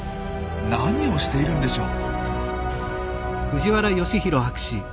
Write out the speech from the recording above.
何をしているんでしょう？